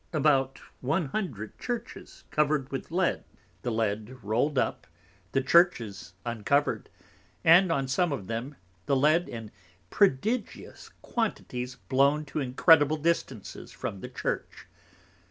Above 100 Churches covered with Lead, the Lead roll'd up, the Churches uncover'd; and on some of them, the Lead in prodigious Quantities blown to incredible Distances from the Church.